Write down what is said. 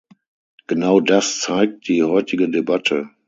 Genau das zeigt die heutige Debatte.